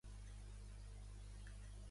Està enterrat en el Cementiri Civil de Sevilla.